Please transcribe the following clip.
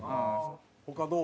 他どう？